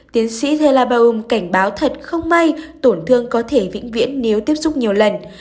tiến sĩ hellabaoum cảnh báo thật không may tổn thương có thể vĩnh viễn nếu tiếp xúc nhiều lần